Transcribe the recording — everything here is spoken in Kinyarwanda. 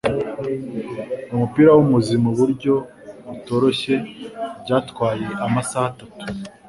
umupira wumuzi muburyo butoroshye byatwaye amasaha atatu